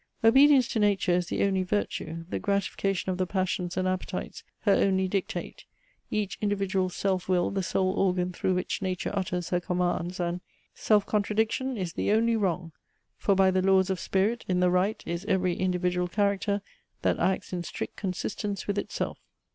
Obedience to nature is the only virtue: the gratification of the passions and appetites her only dictate: each individual's self will the sole organ through which nature utters her commands, and "Self contradiction is the only wrong! For, by the laws of spirit, in the right Is every individual character That acts in strict consistence with itself."